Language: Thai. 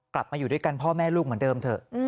มาอยู่ด้วยกันพ่อแม่ลูกเหมือนเดิมเถอะ